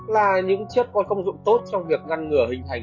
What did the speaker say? là những chất có công dụng tốt trong việc ngăn ngừa hình thành